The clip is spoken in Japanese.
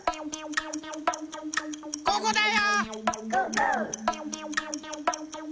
ここだよ！